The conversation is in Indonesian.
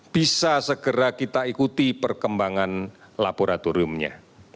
bisa segera kita ikuti perkembangan laboratoriumnya